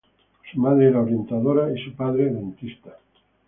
Su madre era orientadora y su padre dentista.